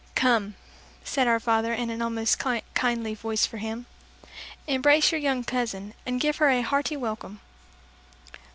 "Come," said our father in an almost kindly voice for him; "Embrace your young cousin, and give her a hearty welcome."